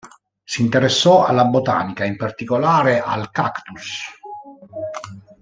Si interessò alla botanica, in particolare, al cactus.